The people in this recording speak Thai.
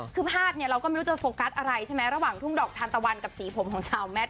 คือภาพเนี่ยเราก็ไม่รู้จะโฟกัสอะไรใช่ไหมระหว่างทุ่งดอกทานตะวันกับสีผมของสาวแมท